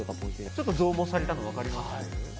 ちょっと増毛されたの分かります？